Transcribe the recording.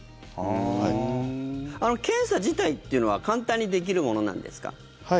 検査自体というのは簡単にできるものなんですか？